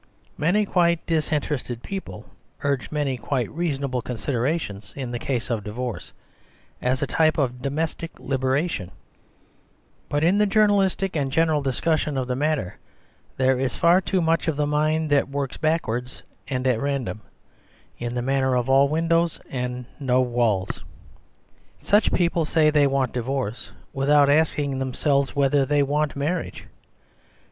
Many quite disinterested people urge many quite reasonable considerations in the case of divorce, as a type of domestic libera tion; but in the journalistic and general dis cussion of the matter there is far too much of the mind that works backwards and at ran dom, in the manner of all windows and no walls. Such people say they want divorce, without asking themselves whether they want marriage.